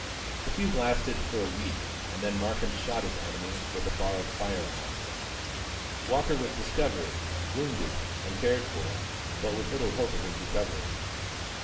The feud lasted for a week, and then Markham shot his enemy with a borrowed fire arm. Walker was discovered wounded, and cared for, but with little hope of his recovery.